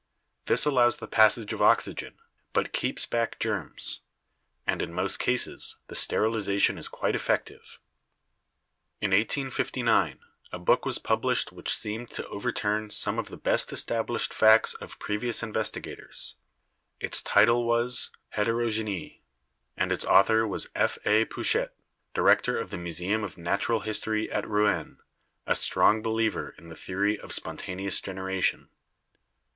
This allows the passage of oxygen, but keeps back germs ; and in most cases the sterilization is quite effective. In 1859 a book was published which seemed to overturn some of the best established facts of previous investigators. Its title was 'Heterogenic,' and its author was F. A. Pouchet, Director of the Museum of Natural History at Rouen, a strong believer in the theory of spontaneous generation.